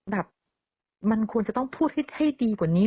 แบบมันควรจะต้องพูดให้ดีกว่านี้